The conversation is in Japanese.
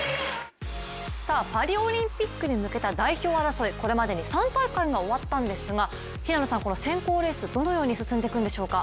パリオリンピックに向けた代表争い、これまでに３大会が終わったんですが、この選考レース、どのように進んでいくんでしょうか？